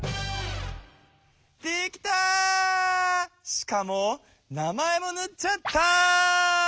しかも名前もぬっちゃった！